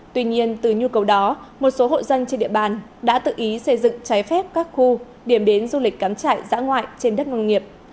tuy nhiên từ nhu cầu đó một số hộ dân trên địa bàn đã tự ý xây dựng trái phép các khu điểm đến du lịch cắm trại dã ngoại trên đất nông nghiệp